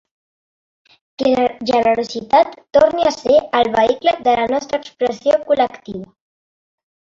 Que la generositat torni a ser el vehicle de la nostra expressió col·lectiva.